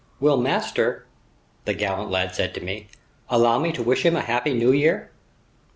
"Will master," the gallant lad said to me, "allow me to wish him a happy new year?"